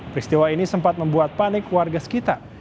peristiwa ini sempat membuat panik warga sekitar